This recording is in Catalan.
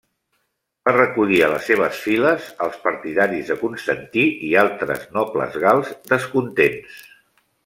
Va recollir a les seves files els partidaris de Constantí i altres nobles gals descontents.